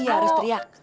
iya harus teriak